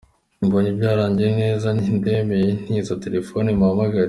Mbonye byarangiye neza, nti ndemeye ntiza telefone muhamagare.